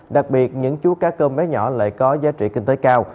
đặc biệt những chú cá cơm vé nhỏ lại có giá trị kinh tế cao